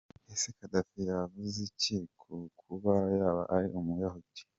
Ese Gaddafi yavuze iki ku kuba yaba ari umuyahudi ?.